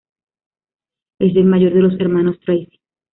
Es el mayor de los hermanos Tracy.